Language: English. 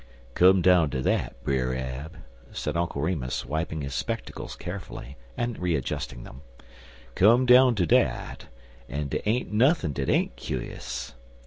"Cum down ter dat, Brer Ab," said Uncle Remus, wiping his spectacles carefully, and readjusting them "cum down ter dat, an' dey ain't nuthin' dat ain't cu'us.